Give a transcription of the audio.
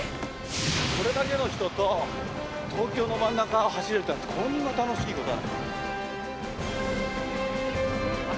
これだけの人と東京の真ん中を走るっていうのは、こんなに楽しいこと。